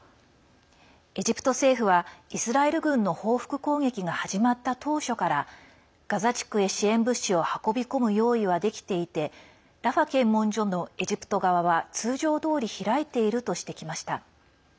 エジプト政府は、イスラエル軍の報復攻撃が始まった当初からガザ地区へ支援物資を運び込む用意はできていてラファ検問所のエジプト側は通常どおり開いているとしてきました。